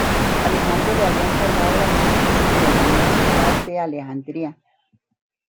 Alejandro le había encargado la construcción de la nueva ciudad de de Alejandría.